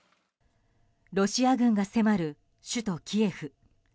ロシア軍が迫る首都キエフ。